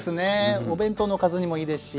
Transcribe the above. お弁当のおかずにもいいですし。